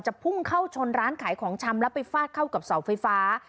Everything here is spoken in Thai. พุ่งเข้าชนร้านขายของชำแล้วไปฟาดเข้ากับเสาไฟฟ้า